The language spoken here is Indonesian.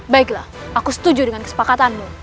baiklah aku setuju dengan kesepakatanmu